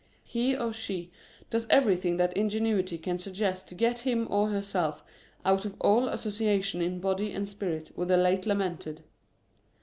He or she does everything that ingenuity can suggest to get him or herself out of all association in body and spirit with the late lamented.